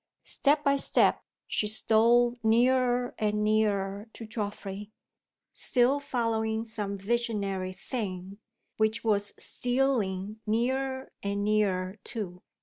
Step by step she stole nearer and nearer to Geoffrey, still following some visionary Thing, which was stealing nearer and nearer, too.